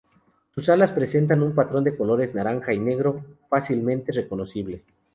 Sus alas presentan un patrón de colores naranja y negro fácilmente reconocible.